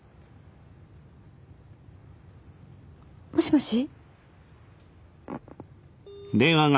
もしもし？